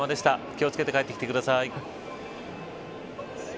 気を付けて帰ってきてください。